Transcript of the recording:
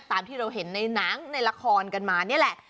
ตามที่เราเห็นในหนังในละครกันมานี่แหละ